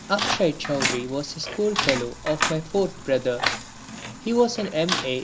Akshay Chowdhury was a school fellow of my fourth brother. He was an M. A.